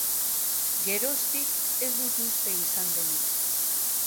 Geroztik, ez dut uste izan denik.